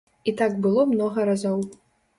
І так было многа разоў.